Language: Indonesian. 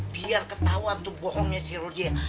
biar ketahuan tuh bohongnya si roja